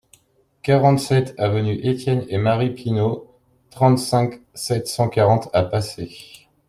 quarante-sept avenue Etienne et Marie Pinault, trente-cinq, sept cent quarante à Pacé